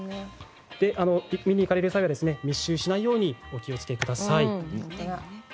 見に行かれる際は密集しないようにお気をつけください。